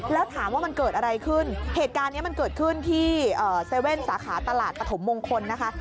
แล้วถามว่ามันเกิดอะไรขึ้นเหตุการณ์นี้มันเกิดขึ้นที่๗๑๑สาขาตลาดปฐมมงคลนะคะ